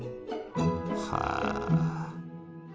はあ。